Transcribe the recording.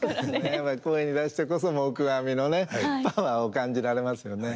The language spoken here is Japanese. やっぱり声に出してこそ黙阿弥のパワーを感じられますよね。